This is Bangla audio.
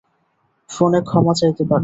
ফোনে ক্ষমা চাইতে পারো।